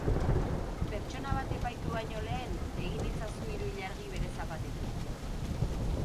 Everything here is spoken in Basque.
Pertsona bat epaitu baino lehen, egin itzazu hiru ilargi bere zapatekin.